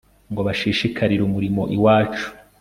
ngo bashishikarire umurimo iwacu